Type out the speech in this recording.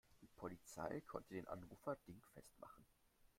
Die Polizei konnte den Anrufer dingfest machen.